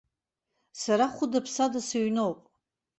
Сара хәыда-ԥсада сыҩноуп.